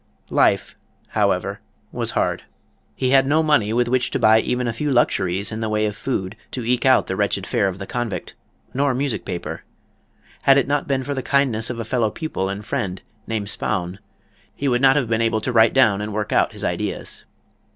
Life, however, was hard. He had no money with which to buy even a few luxuries in the way of food to eke out the wretched fare of the Convict, nor music paper. Had it not been for the kindness of a fellow pupil and friend, named Spaun, he would not have been able to write down and work out his ideas.